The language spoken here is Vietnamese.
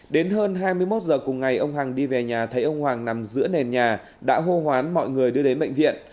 đến hơn hai mươi một giờ cùng ngày ông hằng đi về nhà thấy ông hoàng nằm giữa nền nhà đã hô hoán mọi người đưa đến bệnh viện